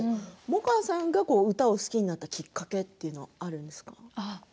萌歌さんが歌を好きになったきっかけはあるんですか？